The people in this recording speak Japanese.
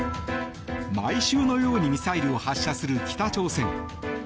毎週のようにミサイルを発射する北朝鮮。